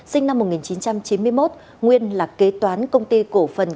sinh năm một nghìn chín trăm chín mươi một nguyên là kế toán công ty cổ phần